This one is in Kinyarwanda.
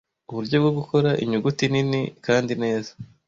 Uburyo bwo gukora inyuguti nini kdi neza